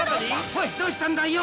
「おいどうしたんだよ？」